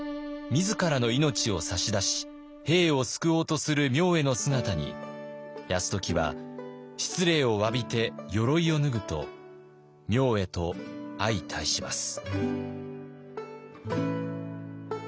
自らの命を差し出し兵を救おうとする明恵の姿に泰時は失礼をわびて鎧を脱ぐと明恵と相対します。